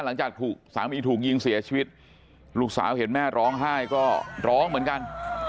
หลังจากถูกสามีถูกยิงเสียชีวิตลูกสาวเห็นแม่ร้องไห้ก็ร้องเหมือนกัน